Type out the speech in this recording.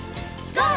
ＧＯ！